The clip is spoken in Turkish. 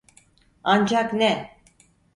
Ancak ne?